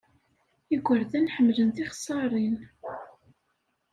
Igerdan ḥemmlen tixeṣṣarin.